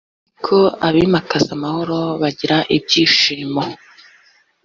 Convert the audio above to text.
ariko abimakaza amahoro bagira ibyishimo